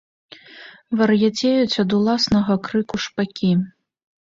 Вар'яцеюць ад уласнага крыку шпакі.